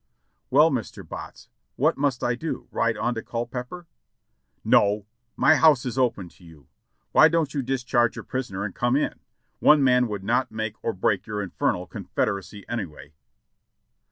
"Well, Mr. Botts, what must I do — ride on to Culpeper?" "No, my house is open to you. Why don't you discharge your prisoner and come in? One man would not make or break your infernal Confederacy anyway."